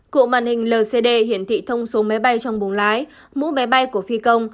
cụ màn hình lcd hiển thị thông số máy bay trong bùng lái mũ máy bay của phi công